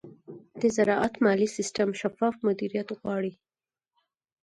د زراعت مالي سیستم شفاف مدیریت غواړي.